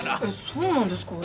そうなんですか？